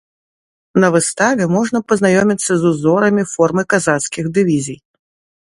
На выставе можна пазнаёміцца з узорамі формы казацкіх дывізій.